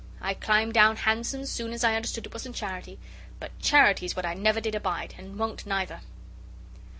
I climbed down handsome soon as I understood it wasn't charity. But charity's what I never did abide, and won't neither."